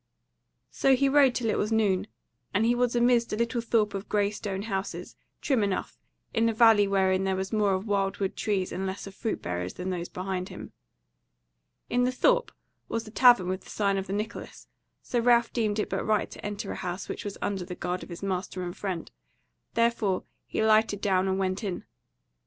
So he rode till it was noon, and he was amidst a little thorp of grey stone houses, trim enough, in a valley wherein there was more of wild wood trees and less of fruit bearers than those behind him. In the thorp was a tavern with the sign of the Nicholas, so Ralph deemed it but right to enter a house which was under the guard of his master and friend; therefore he lighted down and went in.